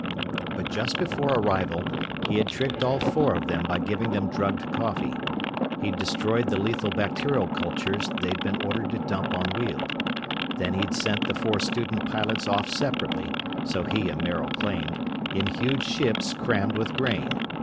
But just before arrival he had tricked all four of them by giving them drugged coffee. He'd destroyed the lethal bacterial cultures they'd been ordered to dump on Weald. Then he'd sent the four student pilots off separately, so he and Maril claimed, in huge ships crammed with grain.